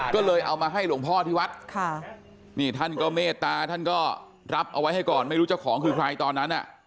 ก็เลยเอามาให้หลวงพ่อที่วัดค่ะนี่ท่านก็เมตตาท่านก็รับเอาไว้ให้ก่อนไม่รู้เจ้าของคือใครตอนนั้น